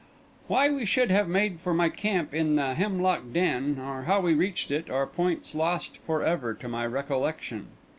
Why we should have made for my camp in the Hemlock Den, or how we reached it, are points lost for ever to my recollection.